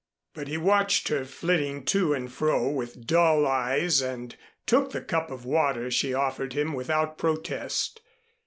But he watched her flitting to and fro with dull eyes and took the cup of water she offered him without protest.